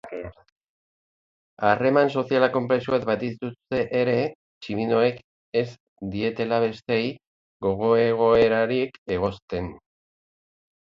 Harreman sozial konplexuak badituzte ere, tximinoek ez dietela besteei gogo-egoerarik egozten.